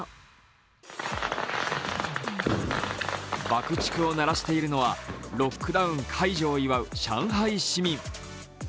爆竹を鳴らしているのはロックダウン解除を祝う上海市民。